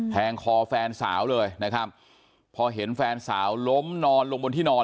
งคอแฟนสาวเลยนะครับพอเห็นแฟนสาวล้มนอนลงบนที่นอน